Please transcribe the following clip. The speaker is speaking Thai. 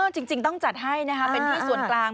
จริงต้องจัดให้นะคะเป็นที่ส่วนกลาง